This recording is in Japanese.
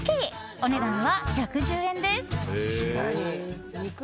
お値段は１１０円です。